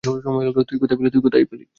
তুই কোথায় পেলি?